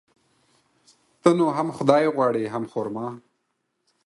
ته نو هم خداى غواړي ،هم خر ما.